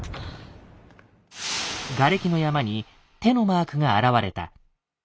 ガレキの山に手のマークが現れた。